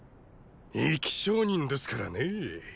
生き証人ですからねぇ。